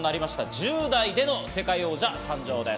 １０代での世界王者誕生です。